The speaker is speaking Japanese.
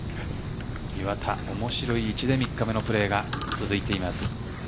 岩田、面白い位置で３日目のプレーが続いています。